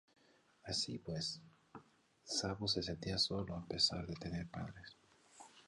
Así pues, Sabo se sentía solo a pesar de tener padres.